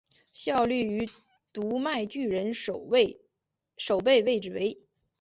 效力于读卖巨人守备位置为。